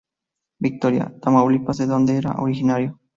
Victoria, Tamaulipas de donde era originario.